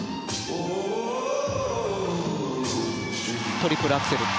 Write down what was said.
トリプルアクセル。